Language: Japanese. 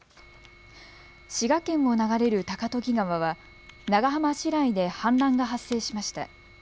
滋賀県を流れる高時川は長浜市内で氾濫が発生しました。